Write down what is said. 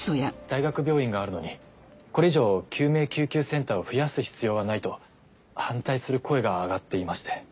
大学病院があるのにこれ以上救命救急センターを増やす必要はないと反対する声が上がっていまして。